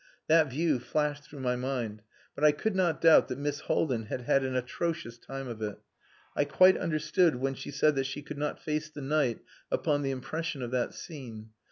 That view flashed through my mind, but I could not doubt that Miss Haldin had had an atrocious time of it. I quite understood when she said that she could not face the night upon the impression of that scene. Mrs.